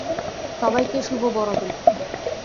সবাইকে শুভ বড়দিন।